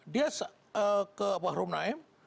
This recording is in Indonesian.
dia ke baharum naim